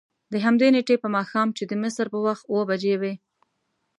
دهمدې نېټې په ماښام چې د مصر په وخت اوه بجې وې.